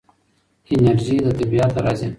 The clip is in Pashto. انرژي له طبیعته راځي.